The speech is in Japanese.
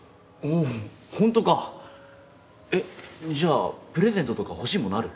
おっほんとか⁉えっじゃあプレゼントとか欲しいものある？